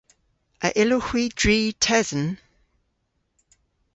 A yllowgh hwi dri tesen?